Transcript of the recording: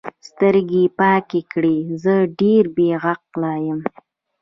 سترګې یې پاکې کړې: زه ډېره بې عقله یم.